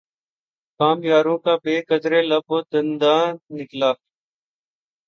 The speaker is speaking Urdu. کام یاروں کا بہ قدرٕ لب و دنداں نکلا